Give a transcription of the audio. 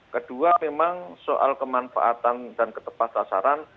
kedua memang soal kemanfaatan dan ketepat sasaran